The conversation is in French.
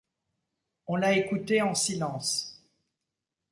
On l’a écouté en silence.